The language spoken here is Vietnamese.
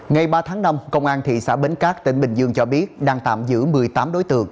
ngày ba tháng năm công an thị xã bến cát tỉnh bình dương cho biết đang tạm giữ một mươi tám đối tượng